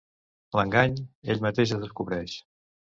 L'engany, ell mateix es descobreix.